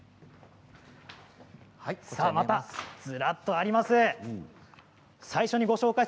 ずらっとあります。